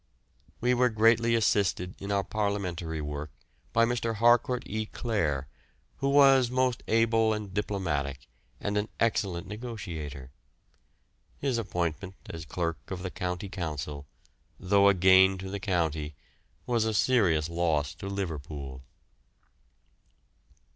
We were greatly assisted in our Parliamentary work by Mr. Harcourt E. Clare, who was most able and diplomatic, and an excellent negotiator. His appointment as Clerk of the County Council, though a gain to the county, was a serious loss to Liverpool.